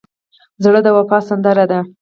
زړه د وفا سندره ده.